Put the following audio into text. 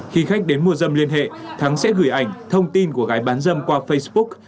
khi khách đến mua dâm liên hệ thắng sẽ gửi ảnh thông tin của gái bán dâm qua facebook